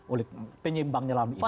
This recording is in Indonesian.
oleh penyeimbangnya dalam ini adalah